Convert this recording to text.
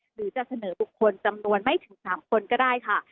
หรือจะเสนอบุคคลจำนวนไม่ถึง๓คนก็ได้ค่ะ